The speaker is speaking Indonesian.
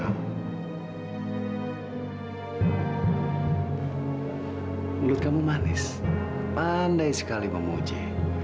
menurut kamu manis pandai sekali memuji